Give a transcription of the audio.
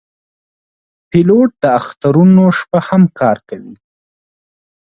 پیلوټ د اخترونو شپه هم کار کوي.